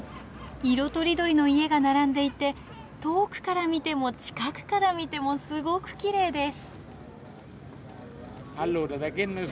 色とりどりの家が並んでいて遠くから見ても近くから見てもすごくきれいです。